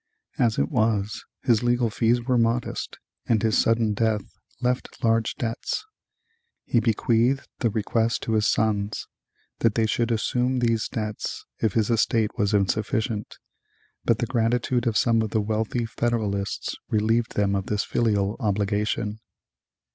As it was, his legal fees were modest and his sudden death left large debts. He bequeathed the request to his sons that they should assume these debts if his estate was insufficient, but the gratitude of some of the wealthy Federalists relieved them of this filial obligation.